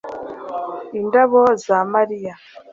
indabo za mariya